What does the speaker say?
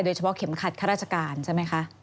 เฉพาะเข็มขัดข้าราชการใช่ไหมคะ